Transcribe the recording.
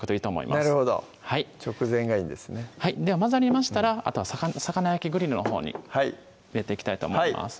なるほど直前がいいんですねではまざりましたらあとは魚焼きグリルのほうに入れていきたいと思います